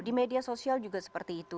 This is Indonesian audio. di media sosial juga seperti itu